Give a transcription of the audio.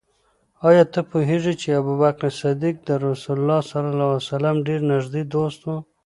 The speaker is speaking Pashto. آیا ته پوهېږې چې ابوبکر صدیق د رسول الله ص ډېر نږدې دوست و؟